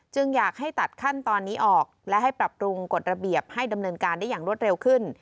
อยากให้ตัดขั้นตอนนี้ออกและให้ปรับปรุงกฎระเบียบให้ดำเนินการได้อย่างรวดเร็วขึ้น